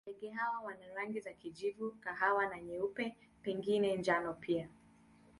Ndege hawa wana rangi za kijivu, kahawa na nyeupe, pengine njano pia.